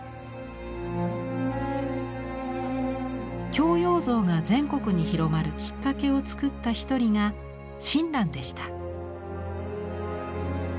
孝養像が全国に広まるきっかけを作った一人が親鸞でした。